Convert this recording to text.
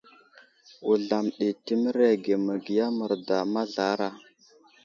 Wuzlam ɗi təmerege məgiya merda mazlara.